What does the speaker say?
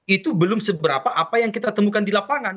itu belum seberapa apa yang kita temukan di lapangan